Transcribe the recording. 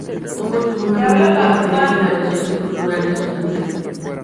Pombo tuvo una muy activa presencia en la vida social y cultural de Santander.